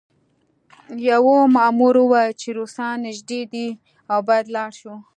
یوه مامور وویل چې روسان نږدې دي او باید لاړ شو